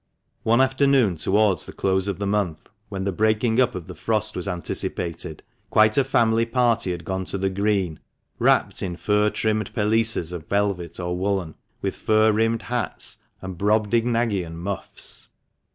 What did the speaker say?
One afternoon towards the close of the month, when the breaking up of the frost was anticipated, quite a family party had gone to the Green, wrapped n fur trimmed pelisses of velvet or woollen, with fur rimmed hats and Brobdignagian muffs.